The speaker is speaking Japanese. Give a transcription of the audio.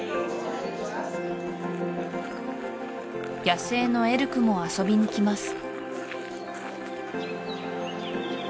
野生のエルクも遊びに来ます